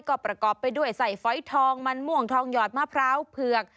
ก็ประกอบไปด้วยใส่ฟอยทองมันม่วงทองหยอดมะพร้าวเผือก